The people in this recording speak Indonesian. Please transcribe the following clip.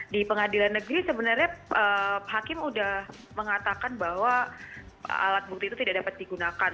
di pengadilan negeri sebenarnya hakim sudah mengatakan bahwa alat bukti itu tidak dapat digunakan